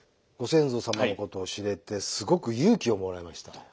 ご先祖様のことを知れてすごく勇気をもらいました。